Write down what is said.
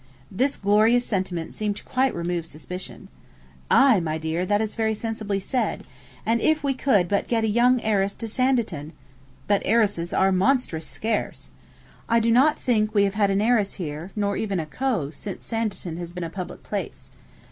This glorious sentiment seemed quite to remove suspicion. 'Aye, my dear, that is very sensibly said; and if we could but get a young heiress to Sanditon! But heiresses are monstrous scarce! I do not think we have had an heiress here, nor even a Co., since Sanditon has been a public place.